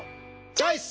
チョイス！